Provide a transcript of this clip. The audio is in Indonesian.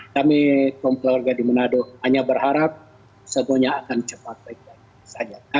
kami keluarga di manado hanya berharap semuanya akan cepat baik baik saja